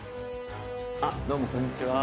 どうもこんにちは。